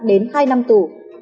đến hai năm tù